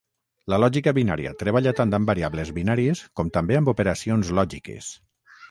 La lògica binària treballa tant amb variables binàries com també amb operacions lògiques.